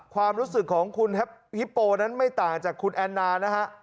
ความรู้สึกของคุณฮิปโปนั้นไม่ต่างจากคุณแอนนานะฮะ